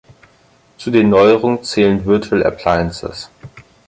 Zu den Neuerungen zählen Virtual Appliances.